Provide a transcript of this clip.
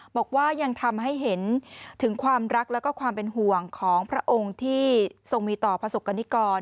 บอกว่ายังทำให้เห็นถึงความรักแล้วก็ความเป็นห่วงของพระองค์ที่ทรงมีต่อประสบกรณิกร